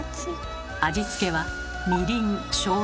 味付けはみりんしょうゆ